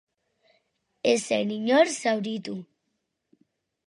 Ez zen inor zauritu.